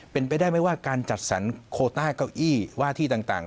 เป็นไปได้ไหมว่าการจัดสรรโคต้าเก้าอี้ว่าที่ต่าง